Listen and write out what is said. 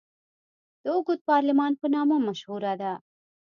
د اوږد پارلمان په نامه مشهوره ده.